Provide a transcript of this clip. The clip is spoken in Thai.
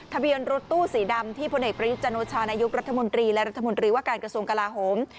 ทะเบียนรถตู้สีดำที่พลเอกประยุทธ์จันโอชานายกรัฐมนตรีและรัฐมนตรีว่าการกระทรวงกลาโหม